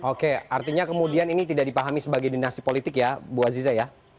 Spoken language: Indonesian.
oke artinya kemudian ini tidak dipahami sebagai dinasti politik ya bu aziza ya